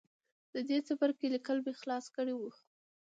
د دې څپرکي ليکل مې خلاص کړي وو